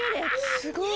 すごい！